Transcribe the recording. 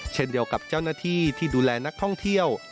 เช่นเดียวกับเจ้าหน้าที่ที่ดูแลนักท่องเที่ยว